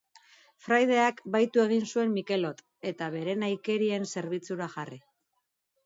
Fraideak bahitu egin zuen Mikelot, eta bere nahikerien zerbitzura jarri.